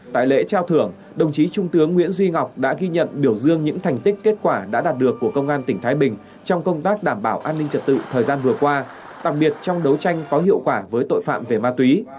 tại lễ trao thưởng đồng chí trung tướng nguyễn duy ngọc đã ghi nhận biểu dương những thành tích kết quả đã đạt được của công an tỉnh thái bình trong công tác đảm bảo an ninh trật tự thời gian vừa qua đặc biệt trong đấu tranh có hiệu quả với tội phạm về ma túy